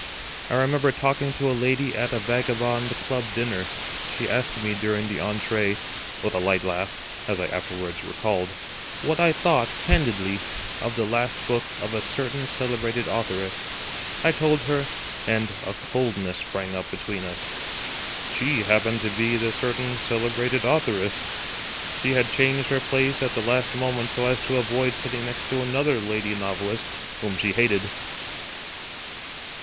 I remember talking to a lady at a Vagabond Club dinner. She asked me during the entree—with a light laugh, as I afterwards recalled—what I thought, candidly, of the last book of a certain celebrated authoress. I told her, and a coldness sprang up between us. She happened to be the certain celebrated authoress; she had changed her place at the last moment so as to avoid sitting next to another lady novelist, whom she hated.